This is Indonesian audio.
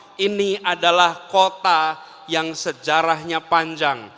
dan ini adalah kota yang sejarahnya panjang